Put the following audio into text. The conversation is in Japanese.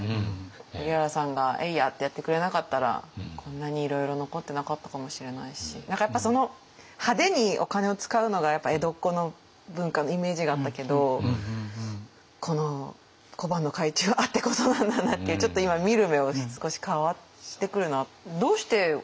荻原さんが「えいや！」ってやってくれなかったらこんなにいろいろ残ってなかったかもしれないし何かやっぱ派手にお金を使うのが江戸っ子の文化のイメージがあったけどこの小判の改鋳があってこそなんだなってちょっと今見る目を少し変わってくるな。